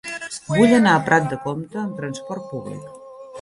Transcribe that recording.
Vull anar a Prat de Comte amb trasport públic.